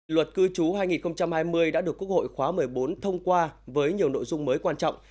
luật cư trú hai nghìn hai mươi đã được quốc hội khóa một mươi bốn thông qua với nhiều nội dung mới quan trọng